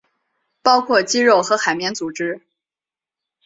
包括肌肉和海绵组织。